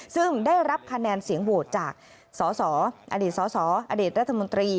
ซึ่งได้รับคะแนนเสียงโหวตจากสสอดีตสสอดีตรัฐมนตรี